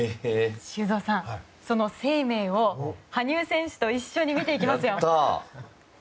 修造さんその「ＳＥＩＭＥＩ」を羽生選手と一緒に見ていきますよ。